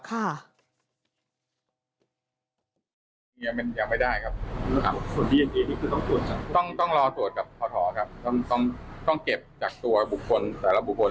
ขณะนี้ได้มาจากการไปสวดพนสวดยึด